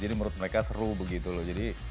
jadi menurut mereka seru begitu loh